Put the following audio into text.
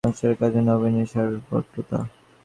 সংসারের কাজে নবীনের স্বাভাবিক পটুতা।